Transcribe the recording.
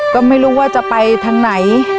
ก็ไม่รู้ว่าจะไปทางไหน